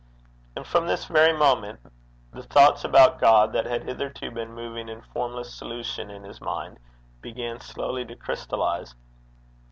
And from this very moment the thoughts about God that had hitherto been moving in formless solution in his mind began slowly to crystallize.